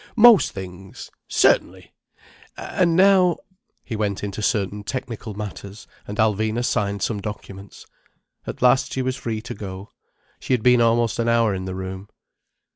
—most things! Certainly! And now—" He went into certain technical matters, and Alvina signed some documents. At last she was free to go. She had been almost an hour in the room.